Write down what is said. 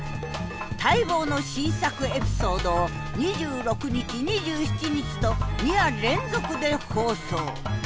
待望の新作エピソードを２６日２７日と２夜連続で放送。